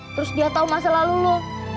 terus dia tahu masa lalu lo